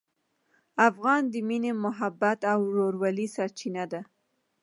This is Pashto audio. افغان د مینې، محبت او ورورولۍ سرچینه ده.